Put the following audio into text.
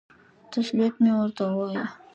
تسلیت مې ورته ووایه.